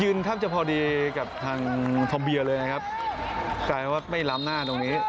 แทบจะพอดีกับทางทอมเบียเลยนะครับกลายเป็นว่าไม่ล้ำหน้าตรงนี้